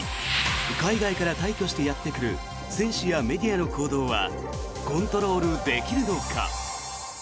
海外から大挙してやってくる選手やメディアの行動はコントロールできるのか。